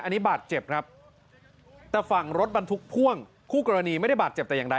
อันนี้บาดเจ็บครับแต่ฝั่งรถบรรทุกพ่วงคู่กรณีไม่ได้บาดเจ็บแต่อย่างใด